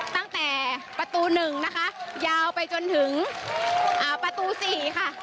ตั้งแต่ประตู๑นะคะยาวไปจนถึงประตู๔ค่ะ